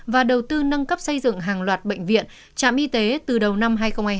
và đầu tư nâng cấp xây dựng hàng loạt bệnh viện trạm y tế từ đầu năm hai nghìn hai mươi hai